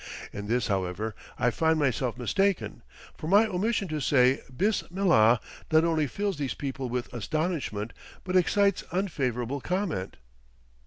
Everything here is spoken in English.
In this, however, I find myself mistaken; for my omission to say "Bis millah" not only fills these people with astonishment, but excites unfavorable comment.